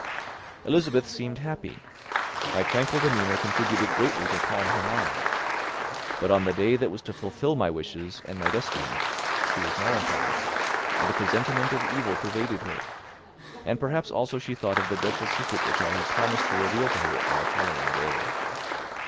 Elizabeth seemed happy; my tranquil demeanour contributed greatly to calm her mind. But on the day that was to fulfil my wishes and my destiny, she was melancholy, and a presentiment of evil pervaded her; and perhaps also she thought of the dreadful secret which I had promised to reveal to her on the following day.